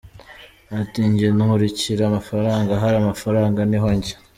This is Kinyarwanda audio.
Ati “Njye nkurikira amafaranga, ahari amafaranga niho njya.